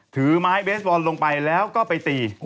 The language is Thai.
ถือไม้เบสบอลลงไปแล้วก็ไปตี